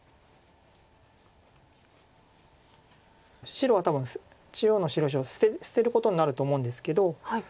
白は多分中央の白地を捨てることになると思うんですけど。